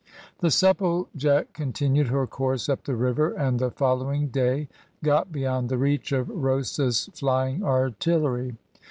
The Supplejack continued her course up the river, and the following day got beyond the reach of Rosas' flying artillery.